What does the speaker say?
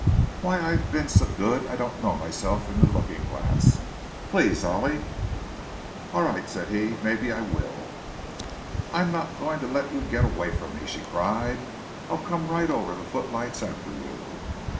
Why, I've been so good I don't know myself in the looking glass. Please, Ollie!" "All right," said he, "maybe I will." "I'm not going to let you get away from me," she cried. "I'll come right over the footlights after you!"